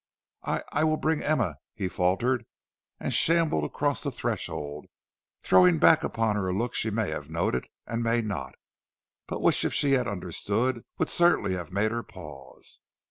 "I I will bring Emma," he faltered, and shambled across the threshold, throwing back upon her a look she may have noted and may not, but which if she had understood, would certainly have made her pause.